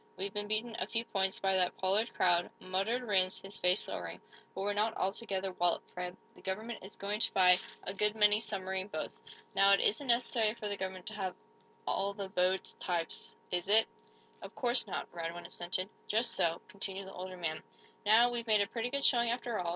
"We've been beaten, a few points, by that Pollard crowd," muttered Rhinds, his face lowering. "But we're not altogether walloped, Fred. The government is going to buy a good many submarine boats. Now, it isn't necessary for the government to have the boats all of one type, is it?" "Of course not," Radwin assented. "Just so," continued the older man, "now, we've made a pretty good showing, after all.